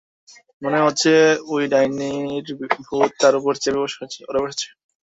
মনে হচ্ছে ওই ডাইনির ভূত তার উপর চড়ে বসেছে।